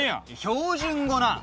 標準語だ！